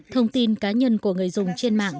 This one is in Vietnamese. thông tin cá nhân của người dùng trên mạng